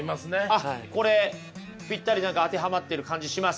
あっこれぴったり何か当てはまってる感じします？